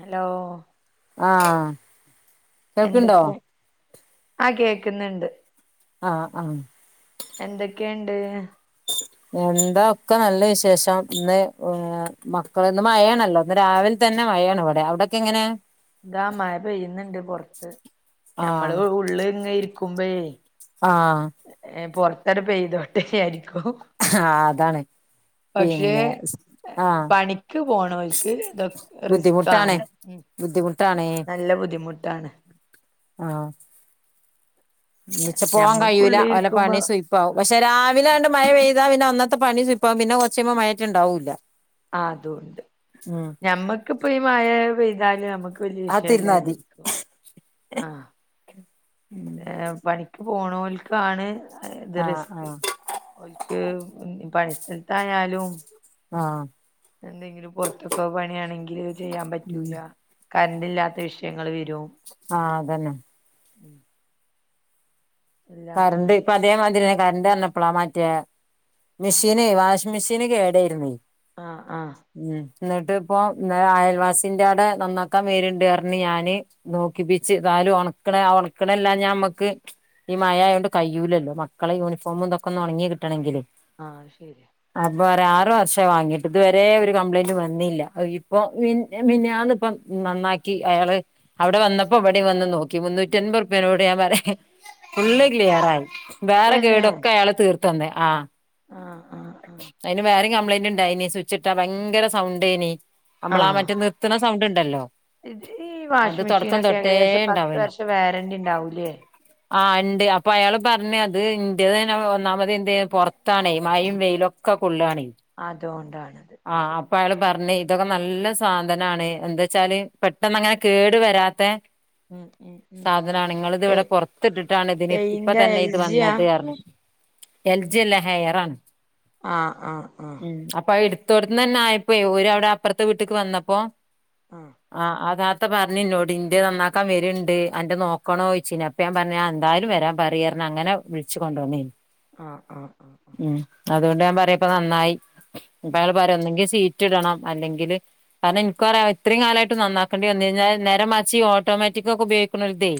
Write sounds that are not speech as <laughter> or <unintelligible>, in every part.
Hello ആഹ് കേൾക്ക്ണ്ടോ എന്തൊക്കെയാ ആഹ് കേക്കുന്നുണ്ട് ആഹ് ആഹ് എന്തൊക്കെയുണ്ട് എന്താ ഒക്കെ നല്ല വിശേഷം ഇന്ന് മക്കള ഇന്ന് മയാണല്ലോ ഇന്ന് രാവിലെ തന്നെ മഴയാണ് ഇവിടെ അവിടൊക്കെ എങ്ങനെ ഇതാ മഴ പെയ്യുന്നുണ്ട് പുറത്ത് ആഹ് ഞമ്മള് ഉള്ള് ഇങ്ങനെ ഇരിക്കുമ്പോയ ആഹ് ഏ പൊറത്തര പെയ്തോട്ടെയായിരിക്കും ആഹ് അതാണ് പക്ഷേ പിന്നെ ആഹ് പണിക്ക് പോണോൽക്ക് ഇതൊ ബുദ്ധിമുട്ടാണ് റിസ്കാണ് ബുദ്ധിമുട്ടാണേ ആഹ് ഇന്ന്പോ പോവാൻ കയൂല ഞമ്മക്കുള്ളിൽ ഓല പണി ഇരിക്കുമ്പോ സൂയ് പക്ഷെ രാവിലെ കണ്ട് മഴ പെയ്താ പിന്നെ ഇന്നെത്തെ പണി സുയ്പ്പാവും പിന്നെ കൊറച്ചയ്യുമ്പോ മഴട്ടുണ്ടാവൂല്ല ആ അതുണ്ട് ഞമ്മക്കിപ്പ ഈ മഴ പെയ്താല് നമ്മക്ക് വലിയ അത് തിരുന്നാതി വിഷയല്ലാതിരിക്കും ആഹ് ഏ പണിക്ക് പോണൽക്കാണ് ഇത് ആഹ് റിസ്ക് ആഹ് ഒൽക്ക് പണിസ്ഥലത്തായാലും ആഹ് എന്തെങ്കിലും പുറത്തൊക്കെ പണിയാണെങ്കില് ചെയ്യാൻ ഉം പറ്റൂല കറൻ്റില്ലാത്ത വിഷയങ്ങൾ വരും ആഹ് അതന്നെ എല്ലാം കരണ്ട് ബുദ്ധിമു ഇപ്പ അ അതേമാതിരിത കരണ്ട് വന്നപ്പളാ മറ്റേ മെഷീന് വാഷിംഗ് മെഷീന് കേടായിരുന്നു ആഹ് ആഹ് ഉം എന്നിട്ട്പ്പൊ ഇന്നലെ അയൽവാസിൻ്റെടെ നന്നാക്കാൻ വരിണ്ടർഞ്ഞി ഞാന് നോക്കിപ്പിച്ച് താലും ഒണക്കണ ഒണക്കണല്ലാഞാ ഞമ്മക്ക് ഈ മഴയായോണ്ട് കഴിയൂലല്ലോ മക്കളെ യൂണിഫോമും ഇതൊക്കൊന്ന് ഒണങ്ങി കിട്ടണെങ്കില് ആഹ് ശരിയാ അപ്പൊ ഒരു ആറു വർഷായി വാങ്ങിട്ട് ഇതുവരേ ഒരു കംപ്ലയിന്റ് വന്നില്ല ഇപ്പൊ മിനിയാന്നിപ്പം നന്നാക്കി അയാള് അവിടെ വന്നപ്പോ അവിടെ വന്ന് നോക്കി മുന്നൂറ്റി അൻപത് റുപ്പ്യനോട് ഞാൻ പറയാ ഫുള്ള് ആഹ് ക്ലിയറായി വേറെ തന്നെ കേടൊക്കെ അയാള് തീർത്തന്ന് ആഹ് ആഹ് ആഹ് ആഹ് ഐന് വേറിം കംപ്ലൈന്റ്ണ്ടായിന് സ്വിച്ച്ട്ടാ ഭയങ്കര സൗണ്ടേനി അമ്മളാ ആഹ് മറ്റെ നിർ ത്ത്ണ സൗണ്ട്ണ്ടല്ലോ ഈ വാഷ്മെഷീനാെക്കെ ഏകദേശം പത്ത് ഉണ്ടാവേനി വർഷം വാരന്റി ഇണ്ടാവുംല്ലേ ആഹ് ഇണ്ട് അപ്പൊ അയാള്പർണ് അത് ഇന്റത് ഐന് ഒന്നാമത് എന്തേ പൊറത്താണേ മയിം വെയിലൊക്കെക്കൊള്ളാണ അതോണ്ടാണ്ത്. ആള് പർനൈ ഇതൊക്കെ നല്ല സാധനാണേ എന്താ ച്ചാല് പെട്ടെന്ന് അങ്ങനെ കേട് വെരാത്തെ ഉം ഉം ഉം സാധനാണ് ഇങ്ങള്ത് എ ഇവിടെ പാെറത്ത്ട്ട്ട്ടാണ് ഇതിന് എയിന്റെ ഇപ്പതന്നെ എൽ ഇത് ജിയാ വന്നത് അർണ് എൽജ്യല്ല ഹെയറാണ് ആഹ് ആഹ് ആഹ് ഉം അപ്പൊ അഹ്ട്ത്തോട്ത്ത്നന്നെ ആയപ്പോയ് ഒര് അവടെ അപ്പർത്തെ വീട്ട്ക്ക് വന്നപ്പാെ ആഹ് അതാണ് ഇപ്പ പറ്ഞ് ഇന്നോട് ഇന്റെത് നന്നാക്കാൻ വെര്ണ്ട് അന്റെ നോക്കണോയ്ച്ചിന് അപ്പഞാപറ്ഞ്ഞ് ആഹ് എന്തായാലും വെരാംപറീറ്ഞ്ഞ് അങ്ങനെ വിളിച്ച് കൊണ്ടോന്നേന്നു ആഹ് ആഹ് ആഹ് ഉം അതോണ്ട് ഞാംപറ്യാപൊ നന്നായി ഇപ്പഅയാള് പറ്യ ഒന്നെങ്കി സീറ്റ് ഇടണം അല്ലെങ്കില് കാരണം ഇൻക്കറ്യ ഇത്രിം കാലായിട്ട് നന്നാക്കെണ്ടിവന്നൈഞാ നേരേമർച്ച് ഓട്ടോമാറ്റിക്ക് ഒക്കെ ഉപയോഗിക്കണോൽതെെ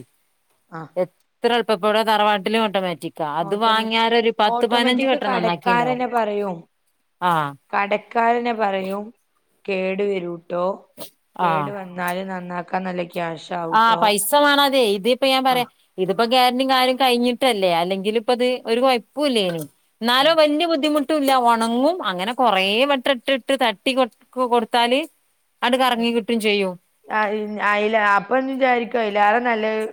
ആഹ് എത്രഎളുപ്പ പബടെ തറവാട്ടിലും ഓട്ടോമാറ്റിക് അത് ഓട്ടോമാറ്റിക് വാങ്ങ്യാരൊര്പത്ത് പൈനഞ്ച് ഓട്ടോമാറ്റിക് വട്ടം നന്നാക്കിണ്ടാവും കടക്കാരനെ പറയും ആഹ് കടക്കാരനെ പറയും കേടുവരൂട്ടോ ആഹ് കേടു വന്ന നാല് നന്നാക്കാൻ നല്ല ക്യാഷ് ആഹ് ആവൂട്ടോ പൈസ വാണതെ ഇതിപ്പ ഞാൻ പറ്യേ ആഹ് ഇത്പ്പാെ ഗ്യാരന്റിം കാര്യം കയിഞ്ഞിട്ടല്ലേ അല്ലെങ്കില് ഇപ്പത് ഒരു കൊയപ്പും ഇല്ലേന്നു ഇന്നാലും ഉം വല്യ ബുദ്ധിമു ഇട്ല്ല ഒണങ്ങും അങ്ങനെ കൊറെ വെട്ടം ഇട്ട്ഇട്ട് തട്ടി കൊ കൊടുത്താല്. അണ്ട്കറങ്ങികിട്ടും ചെയ്യും ആഹ് അത് ആയിലാ അപ്പൊന്ന് വിചാരിക്കും ഐലേറെ നല്ലത്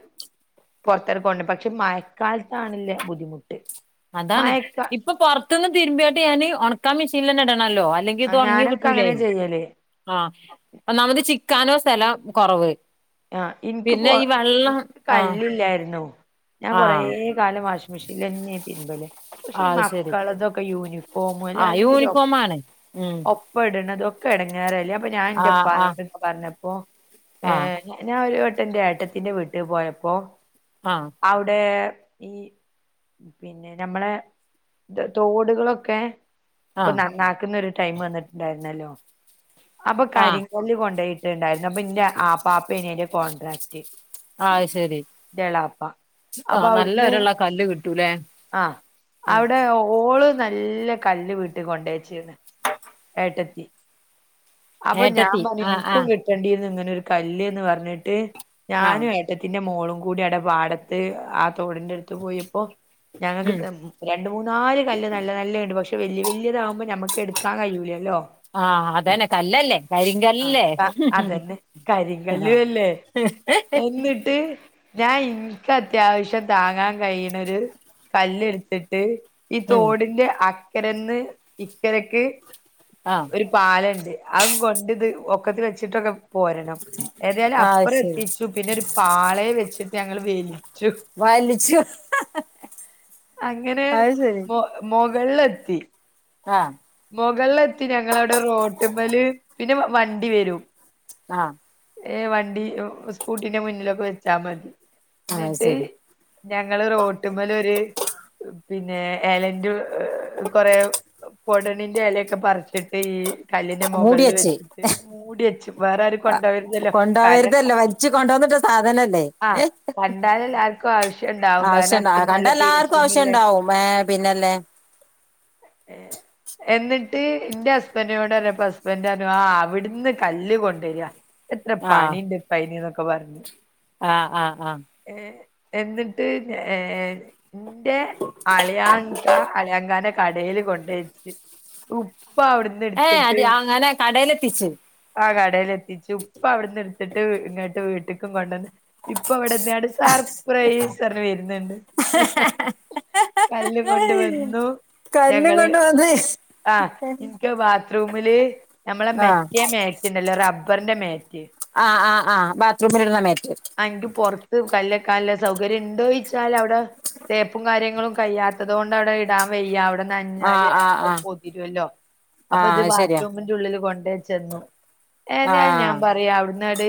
പൊർത്തെറക്കോണ്ട് പക്ഷെ മയക്കാലത്താണ്ല്ലേ ബുദ്ധിമുട്ട് അതാണൈ മഴക്ക ഇപ്പൊ പൊറത്ത്ന്ന് തിരിമ്പിയാണ്ട് ഞാന് ഒണക്കാൻ മിഷീൻലെന്നെ ഇടണല്ലോ അല്ലെ ഇതൊണങ്ങി ഞാനൊക്കെ കിട്ടൂലൈ അങ്ങനെ ചെയ്യല് ആഹ് ഒന്നാമത് ചിക്കാനോ സ്ഥലം കൊറവ് ആഹ് ഇനിക്ക് പിന്നെ പോ ഈ വെള്ളം ഇനിക്ക് ആഹ് കല്ലില്ലായിരുന്നു ഞാൻ കൊറ ആഹ് കാര്ണംവാഷ്മിഷിന്ലെന്നെണ് തിര്മ്പല് പക്ഷെ ഈ അത് ശരി മക്കളതൊക്കെ യൂനിഫോമും ആഹ് എല്ലാരതും കൂടി ഒപ് യൂണിഫോമാണ് ഉം ഒപ് ഇപ്പട്ണതൊക്കെ എടങ്ങേറല്ലേ അപ്പൊ ഞാൻ ആഹ് ആഹ് ഇന്റപ്പാനോട് ഒരിക്കെ പറ്ഞ്ഞപ്പോ ആഹ് ഞാന് ഒരുവട്ടംന്റെ ഏട്ടത്തിന്റെ വീട്ട്പോയപ്പോ ആഹ്. അവ്ടെ ഈ പിന്നെ ഞമ്മളെ ദെ തോട്കളൊക്കെ ഇപ്പൊ ആഹ് നന്നാക്ക്ന്ന ഒരു ടൈമ് വന്ന്ട്ട്ണ്ടായിര്ന്നല്ലോ അപ്പൊ ആഹ് കരിങ്കല്ല് കൊണ്ടോയി ഇണ്ടായിര്ന്നു അപ്പന്റെ ആപ്പാപ്പേനു ഐന്റെ കോൺട്രാക്ട് അത് ശരി ന്റെളാപ്പ അപ്പൊ ആഹ് നല്ല അവ്ട്ന്ന് ഒരള്ള കല്ല് കിട്ടൂലേ ആഹ് ഉം അവടെ ഓള് നല്ല കല്ല് വീട്ട്കൊണ്ടച്ച്ന് ഏട്ടത്തി അപ്പൊ ഞാൻ ഏട്ടത്തി പറിം ആഹ് ഇൻക്കും ആഹ് കിട്ടണ്ടീര്ന്ന് ഇങ്ങനെ ഒരു കല്ല്ന്ന് പരഞ്ഞ്ട്ട് ആഹ് ഞാന്യോ ഏട്ത്തിന്റെ മോളുംകൂടി അവടെ പാടത്ത് ആഹ് തോടിന്റെ എട്ത്ത് പോയപ്പോ ഞങ്ങക്ക് തെം ഉം രണ്ട് മൂന്നാല് കല്ല് നല്ലനല്ലണ്ട് പക്ഷെ വല്യ വല്യതാവുമ്പോ ഞമ്മക്ക് എട്ക്കാൻ കയ്യൂലല്ലോ ആഹ് അതനെ കല്ലല്ലേ. കരിങ്കല്ലേ ആഹ് അതന്നെ കരിങ്കല്ലു ആഹ് അല്ലേ എന്നിട്ട് ഞാൻ ഇനിക്ക് അത്യാവശ്യം താങ്ങാൻ കഴിയണൊരു കല്ലെടുത്തിട്ട് ഈ ഉം തോടിന്റെ അക്കരന്ന് ഇക്കരക്ക് ആഹ് ഒരു പാലെണ്ട് അതും കൊണ്ട് ഇത് ഒക്കത്തി വെച്ചിട്ടൊക്കെ പോരണം ഏതായാലും ആഹ് അപ്പുറം ശരി എത്തിച്ചു പിന്നെ ഒരു പാളയെ വെച്ചിട്ട് ഞങ്ങള് വെലി വലിച്ചു അങ്ങനെ അത് ശരി മൊകളിലെത്തി ആഹ് മുകളിലെത്തി ഞങ്ങളവിടെ റോട്ട്മല് പിന്നെ വണ്ടി വരും ആഹ് ഏ വണ്ടി സ്കൂട്ടീന്റെ മുന്നിലൊക്കെ വെച്ചാ മതി ആഹ് എന്നിട്ട് ശരി ഞങ്ങള് റോട്ടുമ്മലൊര് പിന്നെ എലന്റ് ഏഹ് കൊറേ ഒടണിന്റെ എലേക്കെ പറിച്ചിട്ട് ഈ കല്ലിന്റെ മൊകൾല് മൂടിയച്ച് വെച്ചിട്ട് മൂടി വച്ചു വേറെ ആരും കൊണ്ടോവരുതല്ലോ കാരണം ഇജ്ജ് കൊണ്ടുവന്നിട്ട സാധനല്ലേ ആഹ് ഏഹ് കണ്ടാല് എല്ലാർക്കും ആവശ്യം ഉണ്ടാവും കാരണം ആവശ്യണ്ട അത്ര അഹ് കണ്ട നല്ല എല്ലാർ ഇപ്രാവശ്യോം ഇണ്ടാവും മേ പിന്നല്ലെ ഏ എന്നിട്ട് ഇന്റെ ഹസ്ബന്റിനോട് പറഞ്ഞപ്പ ഹസ്ബൻഡ് പറഞ്ഞു ആഹ് അവിടുന്ന് കല്ല് കൊണ്ടുവര്യാ എത്ര ആഹ് പണിണ്ട് പനി എന്നൊക്കെ പറഞ്ഞ് ആഹ് ആഹ് ആഹ് എഹ് എന്നിട്ട് ഏഹ് ഇന്റെ അളിയാങ്ക അളിയാങ്കാന്റെ കടേൽ കൊണ്ടെ ഉപ്പാവിടു ഏയ് അത് അങ്ങനെ കടേലെത്തിച്ചത് ആ കടല് എത്തിച്ചു ഉപ്പ അവിടെന്ന് എടുത്തിട്ട് ഇങ്ങോട്ട് വീട്ടക്കും കൊണ്ടുവന്ന് ഇപ്പ അവിടെന്നാണ് സർപ്രൈസ് സറിന് വരുന്നെണ്ട് കല്ല് കൊണ്ട് വന്നു ൻ ഞ കൊണ്ട് വന്നെ ആഹ് എനിക്ക് ബാത്റൂമില് നമ്മളെ ആഹ് മെച്ച മ ഇണ്ടല്ലോ റബ്ബറിന്റെ മേറ്റ് ആഹ് ആഹ് ആഹ് ബാത്റൂമ്മലിടുന്ന മാറ്റ് എനിക്ക് പൊറത്ത് കല്ലക്കല് സൗകര്യം ഉണ്ടോയിച്ചാല് അവിടെ തേപ്പും കാര്യങ്ങളും കഴ്യാത്തത് കൊണ്ട് അവിടെ ഇടാൻ വയ്യ അവിടെ നഞ്ഞാല് ആഹ് ആഹ് അത് ആഹ് പൊതിരുവല്ലോ അപ്പൊ ഇത് ആഹ് ശരിയാ ബാത്റൂമിന്റെ ഉള്ളില് കൊണ്ടേ ചെന്നു ഏതായാലും ഞാൻ ആഹ് പറയാ അവിടുന്നട്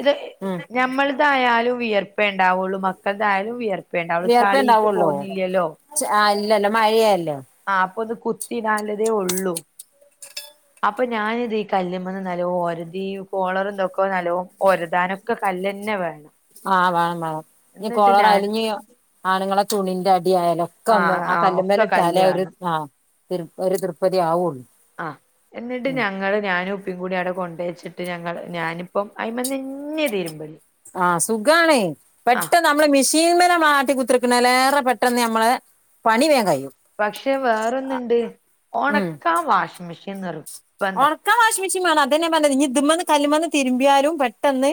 ഇത് ഉം ഞമ്മള് ഏതായാലും വിയർപ്പേ ഇണ്ടാവുള്ളു മക്കളതായാലും വിയർപ്പെ ഇണ്ടാവുള്ളൂ ചളീക്ക് പോകുന്നില്ലല്ലോ ച അല്ലല്ല മഴയല്ലോ ആഹ് അപ്പൊ അത് കുത്തിടാനിള്ളതേ ഒള്ളൂ ആ അപ്പൊ ഞാനിതീ കല്ലുമ്മന്ന് നല്ലോ ഒരതി കോളർന്തൊക്കോ നല്ലോ ഒരതാനൊ ക്ക് കല്ലന്നെ വേണം ആഹ് വേണം വേണം ഇനി എന്നിട്ട് കോളറ ഞാൻ അലിഞ്ഞ് ആണുങ്ങളെ തുണിന്റെ അടി ആയാലോ ക്കൊന്ന് ആഹ് ആ ആഹ് ഒക്കെ കല്ല് കല്ല്മേലിട്ടാലേ ഒരു വേണം ആഹ് തൃ ഒരു തൃപ്പതി ആവുവൊള്ളൂ ആഹ് എന്നിട്ട് ഞങ്ങള് ഞാനും പ്പും കൂടി അവിടെ കൊണ്ട വെച്ചിട്ട് ഞങ്ങൾ ഞാനിപ്പം അയ്മെ തന്നെയാ തിരുമ്പല്. ആഹ് സുഖാണ് ആഹ് പെട്ടന്ന നമ്മള് മെഷീൻ വരെ മാട്ടി കുത്തിരിക്കുന്നണലേറെ പെട്ടെന്ന് നമ്മള് പണി വേഗം കഴിയും പക്ഷെ വേറൊന്നിണ്ട് ഉം ഒണക്കാൻ വാഷിങ് മെഷീൻ നിർബന്ധ ക്കാൻ വാഷിങ് മെഷീൻ വേണം അതന്നെ ഞാൻ പറഞ്ഞത് ഇനി ഇതുമ്മെന്ന് കല്ലുമ്മെന്ന് തിരുമ്പിയാരും പെട്ടെന്ന്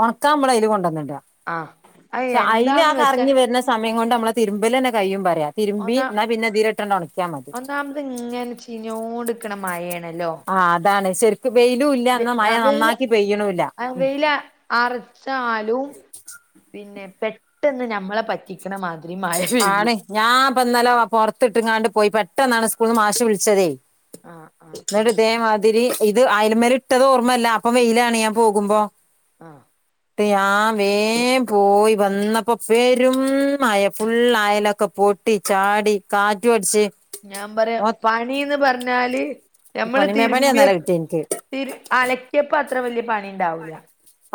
ഒണക്കാൻ നമ്മള എയിൽ കൊണ്ടന്നിട ആഹ് അത് പക്ഷെ അയല് ആ എന്താന്ന് വെച്ചാ കറങ്ങി വരുന്ന സമയം കൊണ്ട് നമ്മളെ തിരുമ്പൽ തന്നെ കഴിയും പറയാ തിരുമ്പി എന്നാ പിന്നെ ഇതില് ഇട്ടന്ന ഉണക്കാ മതി അംത് ഇങ്ങനെ ചീഞ്ഞോട്ക്കണ മഴയാണല്ലോ ആ അതാണ് ശരിക്ക വെയിലും ഇല്ല വെ എന്നാ മഴ ആഹ് വെയില് നന്നാക്കി പെയ്യണല്ല ആഹ് വെയില അറിച്ചാലും പിന്നെ പെട്ടെന്ന് ഞമ്മളെ പറ്റി ക്കണ മാതിരി മഴ പെയ്യു ഞാ പ്പൊ ഇന്നലെ പുറത്തി ങ്ങാണ്ട് പോയി പെട്ടെന്നാണ് സ്കൂള നിന്ന് മാഷ് വിളിച്ചതേ ആഹ് ആഹ് ആഹ് ന്നിട്ട് ദേ മാതിരി ഇത് അയല മേൽ ഇട്ടത് ഓർമ്മയല്ല അപ്പൊ വെയിലാണ് ഞാൻ പോകുമ്പോ ആഹ് ദേ ആഹ് വേം പോയി വന്നപ്പോ വെരും മഴ ഫുൾ അയലൊക്കെ പോട്ടി ചാടി കാറ്റു അടിച്ചു ഞാൻ പറയാ പണിന്ന് പറഞ്ഞാല് ഞമ്മള് പണിമേ പണിയാ തിരുമ്പിയ ഇന്നലെ കിട്ടിയെ എനിക്ക് തിരു അലക്കിയപ്പ അത്ര വല്ല്യ പണി ഉണ്ടാവൂല്ല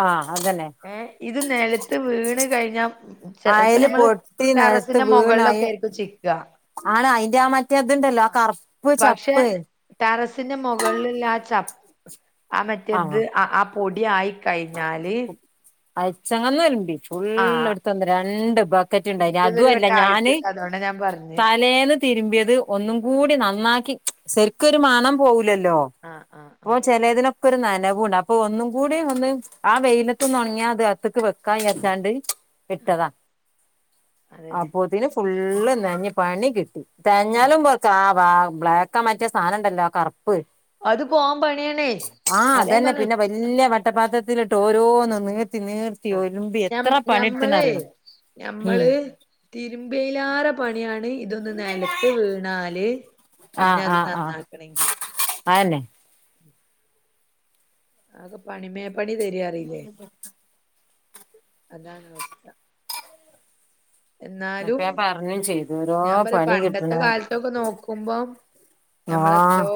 ആഹ് അതന്നെ ഏ ഇത് നിലത്ത് വീണ് കഴിഞ്ഞ ഇപ്പൊ അയൽ ഞമ്മള് പൊട്ടി ടെറസിന്റെ മുകളിലൊക്കെ ആയിരിക്കും ചി <unintelligible> ആണ അയിന്റെ ആ മറ്റേ അതുണ്ടല്ലോ ആ കറുപ്പ് പക്ഷെ ചപ്പ് ടെറസിന്റെ മുകളിൽ ള്ള ആ ച ആ മറ്റേത് ആഹ് ആ പൊടി ആയി കഴിഞ്ഞാല് <unintelligible> ഫുള് ആഹ് എടുത്തന്ന് രണ്ട് ബക്കറ്റ് ഉണ്ടായിന് ഇന്റതൊരു അതുല്ല വട്ടം ഞാന് ആയിട്ടുണ്ട് അതുകൊണ്ടാ ഞാൻ പറഞ്ഞേ തലേന്ന് തിരുമ്പിയത് ഒന്നും കൂടി നന്നാക്കി ശെരിക്കൊരു മണം പോവുല്ല ല്ലോ ആഹ് ആഹ് അപ്പൊ ആഹ് ചിലതിനൊക്കെ ഒരു നനവുണ്ട് അപ്പൊ ഒന്നും കൂടി ഒന്ന് ആ വെയിലത്തൊന്ന് ഉണങ്ങിയാ അത് അകത്ത്ക്ക് വെക്കാവിചാരിച്ചാണ്ട് ആഹ് ഇട്ടതാ അതന്നെ അപ്പത്തിന് ഫുള്ള് നനഞ്ഞ പണി കിട്ടി തേഞ്ഞാലും പോക്ക ആഹ് ബ്ലാക്കാ മാറ്റ സാനം ഇണ്ടല്ലോ കറുപ്പ് അത് പോവാൻ പണിയണേ ആഹ് അത ഞാ അതന്നെ പറഞ്ഞ പിന്നെ വല്യ വട്ടപ്പാത്രത്തിലിട്ട് ഓരോന്നും നീർത്തി നീർത്തി ത്തി ഒലുമ്പി എത്ര ഞമ്മ ഞമ്മളേ പണിടുത്തനറിയോ ഉം ഞമ്മള് തിരുമ്പയിലാറെ പണിയാണ് ഇതൊന്ന് നിലത്ത് വീണാല് ആഹ് പിന്നെ അത് ആഹ് ആഹ് നന്നാക്കണെങ്കില് അഹന്നെ അതൊക്കെ പണിമേ പണി തരാറീല്ലേ അതാണ് അവസ്ഥ അപ്പ എന്നാലും ഞാൻ പറഞ്ഞും ചെയ്തു ഓരോ ഞാൻ പറയ പണി കിട്ടണ പണ്ടത്തെ കാലത്ത് ത്തൊക്കെ നോക്കുമ്പോം ഞമ്മളെത്രോ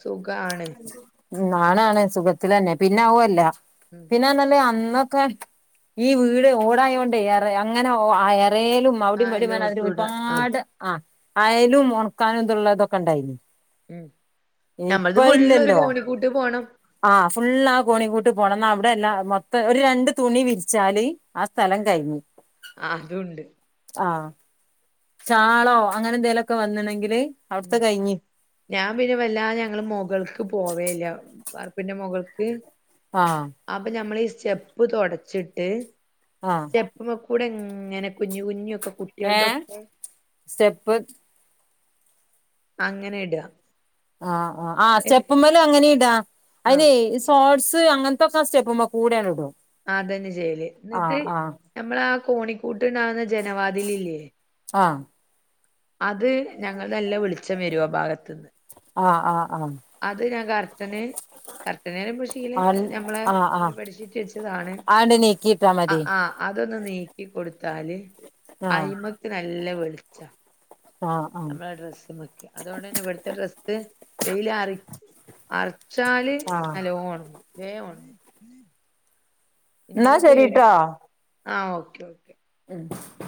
സുഖാണ് ഞാനാണ് സുഖത്തിലന്നെ പിന്നെ ആവല്ല ഉമ് പിന്നെന്ന പറഞ്ഞ അന്നൊക്കെ ഈ വീട് ഓടായോണ്ട് ഇറ അങ്ങനെ ഒ എറയിലും ആ മവിടും ഇവിടേം അതിന് എല്ലോടത്തൂട ആ ഒരുപാട് ആഹ് അയലും ഉണക്കാനുംള്ള ഇതൊക്കെ ഇണ്ടായിന് ഉമ് നഞമ്മൾത് ഫുള്ളാരു കോണിക്കൂട്ട് പോണം ആഹ് ഫുുള്ള ആ കോണി കൂട്ട് പോണം എന്ന അവിടെല്ലാ മൊത്തം ഒരു രണ്ട് തുണി വിരിച്ചാല് ആ സ്ഥലം കഴിഞ്ഞ് ആ അതും ഉണ്ട് ആഹ് ഷാളോ അങ്ങനെ എന്തേലൊക്കെ വന്ന്ണങ്കില് അവിടുത്തെ ഉം കഴിഞ്ഞു ഞാൻ പിന്നെ വല്ലാതെ ഞങ്ങള് മുകൾക്ക് പോവേല്ല വാർപ്പിന്റെ മുകൾക്ക് ആഹ് അപ്പൊ ഞമ്മളീ ഈ സ്റ്റെപ്പ് തൊടച്ചിട്ട് ആഹ് സ്റ്റെപ്പ്മ്മക്കൂടെ ഇങ്ങനെ കുഞ്ഞ കുഞ്ഞൊക്കെ കുടീ ഏ സ്റ്റെപ്പ് അങ്ങനെ ഇട ആ ആ ആ സ്റ്റപ്പ്മ്മല് അങ്ങനേം ഇടാ ആഹ് അയ്നെ സ് തോട്സ് അങ്ങൻത്തൊക്കെ സ്റ്റെപ്പുമ്മക്കൂടെ വെരൂ അതെന്നെ ചെയ്യല് ന്ന്ട്ട് നമ്മളാ കോണിക്കൂട്ട്ണ്ടാവുന്ന ജനവാതിലില്ലേ ആഹ് അത് ഞങ്ങൾ നല്ല ളിച്ചം വെരും ആ ഭാഗത്ത് ആ ആ ആ അത് ഞാൻ കർട്ടന് ആഹ് <unintelligible> ഞമ്മളെ ആഹ് ആഹ് ഓര് ആഹ് പടിപ്പിച്ചെച്ചതാണ് ആണ്ട് നീക്കിട്ടാ മ അഹ് ആഹ് അതൊന്ന് നീക്കി കൊടുത്താല് ആഹ് അയ്മക്ക് നല്ല വെളിച്ചാ ആഹ് ആഹ് ഞമ്മളെ ഡ്രസ്സ്മ്മൊക്കെ അതോണ്ടെന്നെ ഇവ്ട്ത്തെ ഡ്രസ്സ് വെയിലാറി അറച്ചാല് ആഹ് നല്ലോണങ്ങും വേ ഒണങ്ങും എന്നാ ഇന്നലെപ്പോ യൂനി ശരിട്ടോ ആ ഓക്കെ ഓക്കെ ഉം <inaudible>